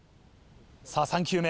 さぁ３球目。